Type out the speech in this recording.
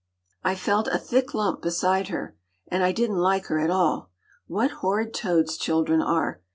I felt a thick lump beside her. And I didn’t like her at all. What horrid toads children are!